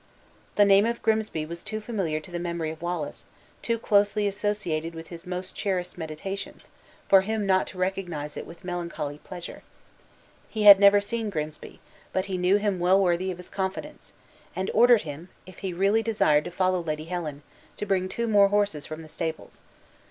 The name of Grimsby was too familiar to the memory of Wallace, too closely associated with his most cherished meditations, for him not to recognize it with melancholy pleasure. He had never seen Grimsby, but he knew him well worthy of his confidence; and ordered him (if he really desired to follow Lady Helen) to bring two more horses from the stables.